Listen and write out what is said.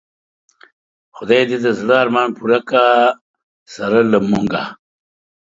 خدای دی د زړه ارمان پوره که سره له مونږه